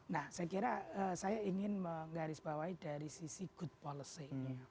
nah saya kira saya ingin menggarisbawahi dari sisi good policy